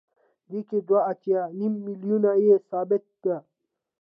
دې کې دوه اتیا نیم میلیونه یې ثابته ده